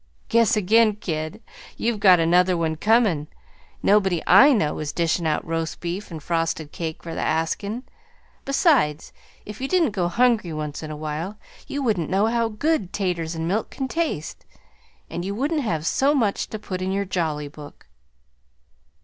"Guess again, kid. You've got another one coming. Nobody I know is dishin' out roast beef and frosted cakes for the askin'. Besides, if you didn't go hungry once in a while, you wouldn't know how good 'taters and milk can taste; and you wouldn't have so much to put in your Jolly Book."